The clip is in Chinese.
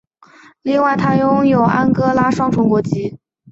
另外他拥有巴西及安哥拉双重国籍。